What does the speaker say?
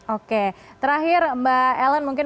oke terakhir mbak ellen mungkin